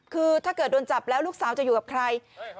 คือถ้าเกิดโดนจับแล้วลูกสาวจะอยู่กับใคร